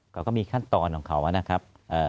เขาก็มีขั้นตอนของเขานะครับ